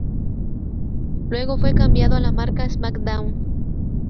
Luego fue cambiado a la marca "SmackDown!